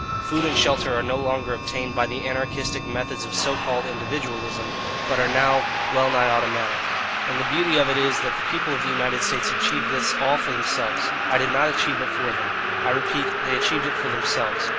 Food and shelter are no longer obtained by the anarchistic methods of so called individualism but are now wellnigh automatic. And the beauty of it is that the people of the United States have achieved all this for themselves. I did not achieve it for them. I repeat, they achieved it for themselves.